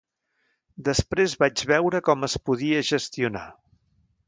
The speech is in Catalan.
Després vaig veure com es podia gestionar.